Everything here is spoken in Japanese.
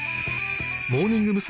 モーニング娘。